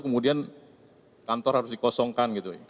kemudian kantor harus dikosongkan